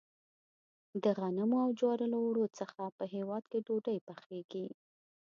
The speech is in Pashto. د غنمو او جوارو له اوړو څخه په هیواد کې ډوډۍ پخیږي.